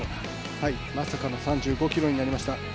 まさかの３５ｋｍになりました。